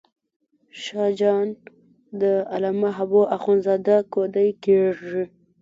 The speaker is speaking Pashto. شاه جان د علامه حبو اخند زاده کودی کېږي.